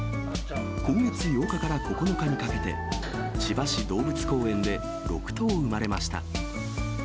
今月８日から９日にかけて、千葉市動物公園で６頭産まれました。